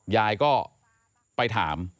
ยายก็ไปถาม